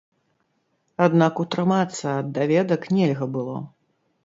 Аднак утрымацца ад даведак нельга было.